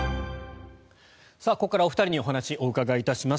ここからお二人にお話を伺います。